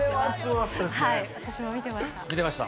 私も見てました。